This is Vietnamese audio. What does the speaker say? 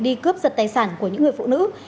đi cướp giật tài sản của những người phụ nữ